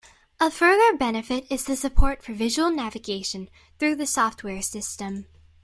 A further benefit is the support for visual navigation through the software system.